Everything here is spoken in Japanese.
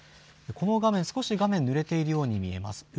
この画面、少し画面、ぬれているように見えます。